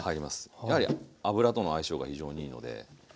やはり油との相性が非常にいいので。